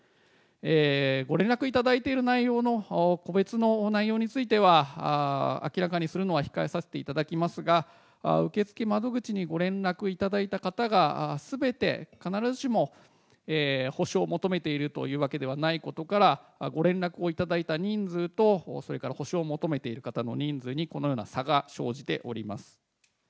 ご連絡いただいている内容の個別の内容については明らかにするのは控えさせていただきますが、受付窓口にご連絡いただいた方がすべて必ずしも補償を求めているというわけではないことから、ご連絡をいただいた人数とそれから補償を求めている方の人数にこのような差が生じております。